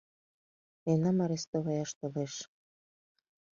Мемнам арестоваяш толеш.